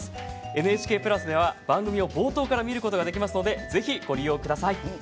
ＮＨＫプラスでは、番組を冒頭から見ることができますのでぜひご利用ください。